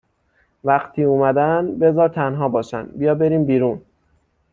وقتی اومدن بذار تنها باشن بیا بریم بیرون